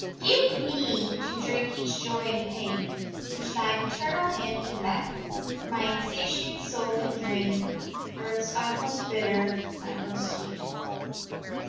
"Give me to drink each joy and pain Which Thine eternal hand can mete, For my insatiate soul can drain Earth's utmost bitter, utmost sweet.